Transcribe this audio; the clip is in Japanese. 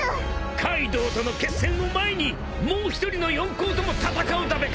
［カイドウとの決戦を前にもう１人の四皇とも戦うだべか］